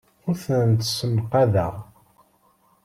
Ur tent-ssenqadeɣ.